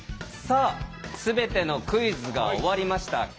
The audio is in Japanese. さあ全てのクイズが終わりました。